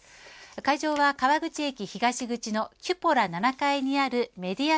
会場は、川口駅東口のキュポ・ラ７階にあるメディア